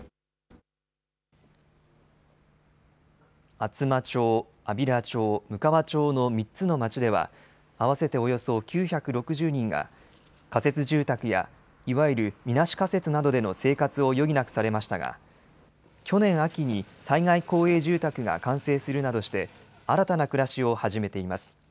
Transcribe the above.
厚真町、安平町、むかわ町の３つの町では合わせておよそ９６０人が仮設住宅やいわゆるみなし仮設などでの生活を余儀なくされましたが去年秋に災害公営住宅が完成するなどして新たな暮らしを始めています。